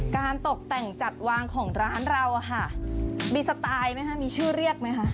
การตกแต่งจัดวางของร้านเรามีสไตล์ไหมคะมีชื่อเรียกไหมคะ